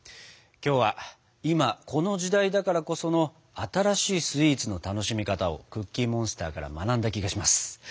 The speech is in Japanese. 今日は今この時代だからこその新しいスイーツの楽しみ方をクッキーモンスターから学んだ気がします。